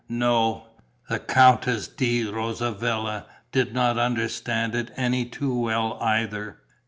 No, the Countess di Rosavilla did not understand it any too well either.